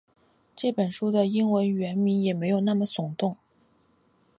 这本书的英文原名也没那么耸动